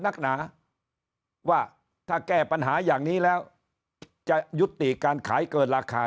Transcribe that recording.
นักหนาว่าถ้าแก้ปัญหาอย่างนี้แล้วจะยุติการขายเกินราคา